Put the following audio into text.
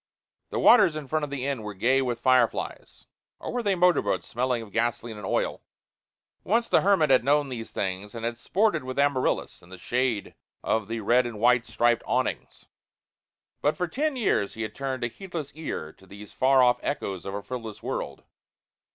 The waters in front of the inn were gay with fireflies or were they motor boats, smelling of gasoline and oil? Once the hermit had known these things and had sported with Amaryllis in the shade of the red and white striped awnings. But for ten years he had turned a heedless ear to these far off echoes of a frivolous world.